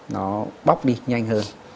nó bóc đi nhanh hơn